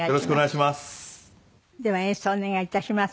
では演奏お願い致します。